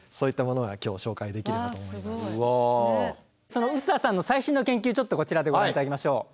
その臼田さんの最新の研究ちょっとこちらでご覧いただきましょう。